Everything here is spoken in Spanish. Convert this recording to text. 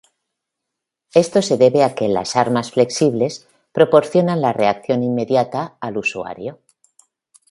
Esto se debe a que las armas flexibles proporcionan la reacción inmediata al usuario.